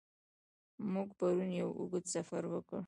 موږ پرون یو اوږد سفر وکړ.